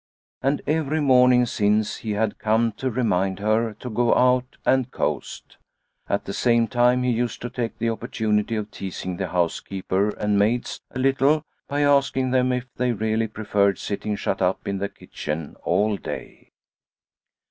And every morning since he had come to remind her to go out and coast. At the same time he used to take the oppor tunity of teasing the housekeeper and maids a little by asking them if they really preferred sitting shut up in the kitchen all day.